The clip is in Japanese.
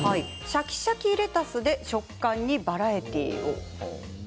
シャキシャキレタスで食感にバラエティーを。